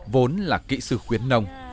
vốn là kỹ sư khuyến nông